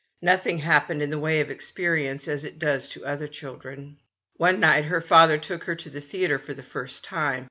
Nothing happened in the way of experience as it does to other children. One night her father took her to the theatre for the first time.